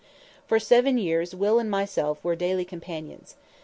For seven school years Will and myself were daily companions.